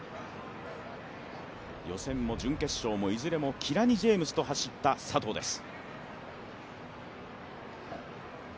予選も準決勝もいずれもキラニ・ジェームスと走った佐藤です。